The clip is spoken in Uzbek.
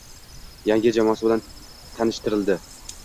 Yangi jamoasi bilan tanishtirildi.